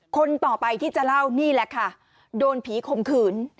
คนต่อไปที่จะเล่านี่แหละค่ะโดนผีข่มขืน